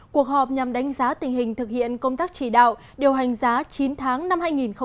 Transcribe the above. cuộc họp nhằm đánh giá tình hình thực hiện công tác chỉ đạo điều hành giá chín tháng năm hai nghìn hai mươi